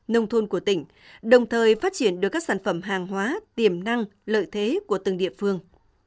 nông thôn của tỉnh đồng thời phát triển được các sản phẩm hàng hóa tiềm năng lợi thế của từng địa phương